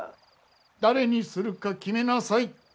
誰にするか決めなさい。